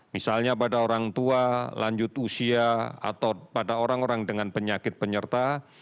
misalnya pada orang tua lanjut usia atau pada orang orang dengan penyakit penyerta